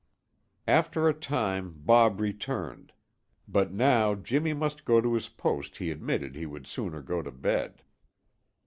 After a time Bob returned, but now Jimmy must go to his post he admitted he would sooner go to bed.